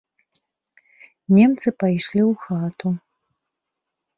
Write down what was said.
Немцы пайшлі ў хату.